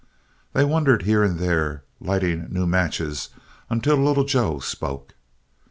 They wandered here and there, lighting new matches until Little Joe spoke.